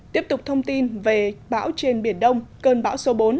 tiếp tục thông tin về bão trên biển đông cơn bão số bốn